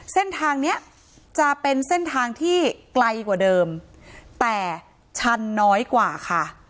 เส้นทางเนี้ยจะเป็นเส้นทางที่ไกลกว่าเดิมแต่ชันน้อยกว่าค่ะ